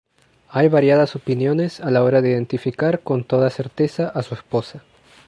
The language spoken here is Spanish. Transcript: Hay variadas opiniones a la hora de identificar con toda certeza a su esposa.